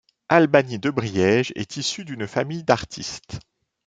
Albany Debriège est issue d'une famille d'artistes.